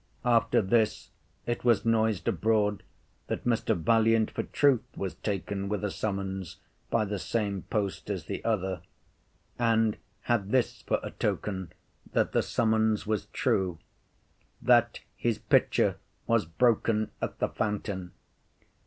After this it was noised abroad that Mr. Valiant for truth was taken with a summons by the same post as the other, and had this for a token that the summons was true, "That his pitcher was broken at the fountain."